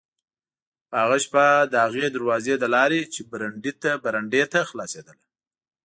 په هغه شپه د هغې دروازې له لارې چې برنډې ته خلاصېدله.